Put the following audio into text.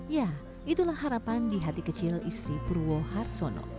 ya itulah harapan di hati kecil istri purwo harsono